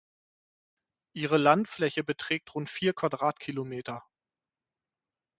Ihre Landfläche beträgt rund vier Quadratkilometer.